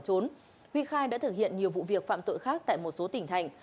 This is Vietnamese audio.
nguyễn hoàng huy khai đã thực hiện nhiều vụ việc phạm tội khác tại một số tỉnh thành